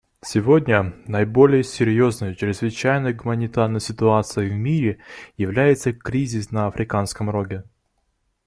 Сегодня наиболее серьезной чрезвычайной гуманитарной ситуацией в мире является кризис на Африканском Роге.